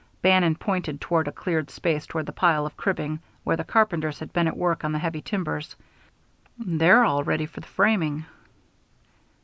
Bannon pointed toward a cleared space behind the pile of cribbing, where the carpenters had been at work on the heavy timbers. "They're all ready for the framing."